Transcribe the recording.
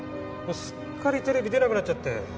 すっかりテレビ出なくなっちゃって。